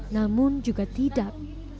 namun juga tidak